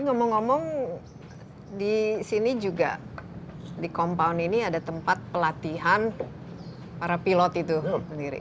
ngomong ngomong di sini juga di compound ini ada tempat pelatihan para pilot itu sendiri